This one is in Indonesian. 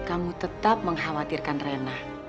kamu tetap mengkhawatirkan reina